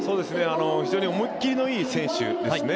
非常に思い切りのいい選手ですね。